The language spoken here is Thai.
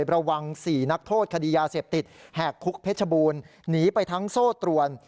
ระวัง๔นักโทษคดียาเสพติดแหกคุกเพชรบูรณ์หนีไปทั้งโซ่ตรวน